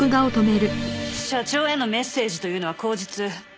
社長へのメッセージというのは口実。